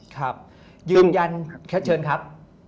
ครับยืนยันแค่เชิญครับ